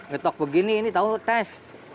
getok begini ini tau tes